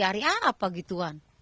hari apa gitu kan